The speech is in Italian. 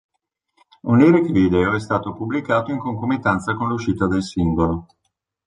Un lyric video è stato pubblicato in concomitanza con l'uscita del singolo.